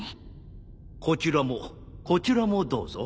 こちらもこちらもどうぞ。